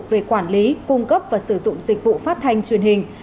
về quản lý cung cấp và sử dụng dịch vụ phát thanh truyền hình